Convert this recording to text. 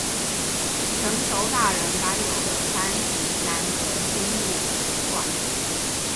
成熟大人該有的三十三個心理習慣